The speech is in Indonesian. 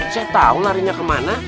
saya tahu larinya ke mana